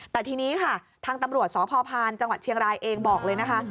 แต่ทีนี้ค่ะทางตำรวจสพพานจังหวัดเชียงรายเองบอกเลยนะคะ